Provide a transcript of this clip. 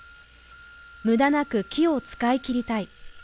無駄なく木を使い切りたい。